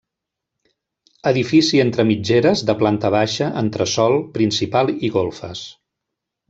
Edifici entre mitgeres de planta baixa, entresòl, principal i golfes.